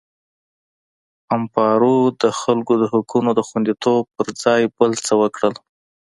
امپارو د خلکو د حقونو د خوندیتوب پر ځای بل څه وکړل.